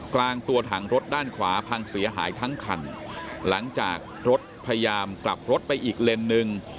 กลางตัวถังรถด้านขวาพังเสียหายทั้งคันหลังจากรถพยายามกลับรถไปอีกเลนส์หนึ่ง